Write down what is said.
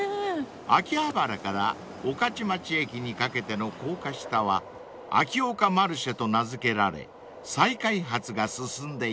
［秋葉原から御徒町駅にかけての高架下はＡＫＩ−ＯＫＡＭＡＲＣＨＥと名付けられ再開発が進んでいます］